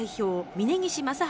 峯岸正治